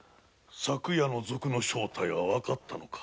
昨夜の賊の正体はわかったのか？